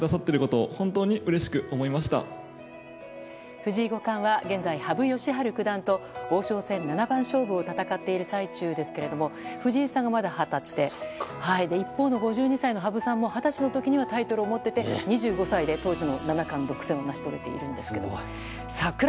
藤井五冠は現在羽生善治九段と王将戦七番勝負を戦っている最中ですけれども藤井さんは、まだ二十歳で一方の５２歳の羽生さんも二十歳の時にはタイトルを持っていて２５歳で当時の七冠独占を成し遂げているんですけれども。